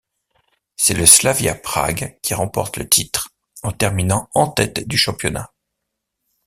C'est le Slavia Prague qui remporte le titre en terminant en tête du championnat.